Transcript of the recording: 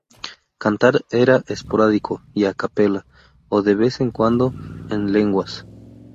Cantar era esporádico y a capella, o de vez en cuando en lenguas.